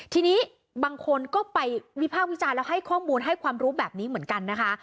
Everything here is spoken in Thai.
ทีนี้บางคนก็ไปวิภาควิจารณ์แล้วให้ข้อมูลให้ความรู้แบบนี้เหมือนกันนะคะ